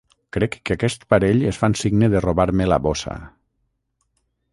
Crec que aquest parell es fan signe de robar-me la bossa.